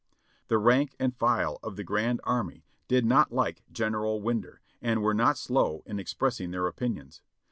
The rank and file of the grand army did not like General Winder and were not slow in expressing their opinions.